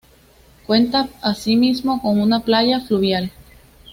Cuenta asimismo con una playa fluvial.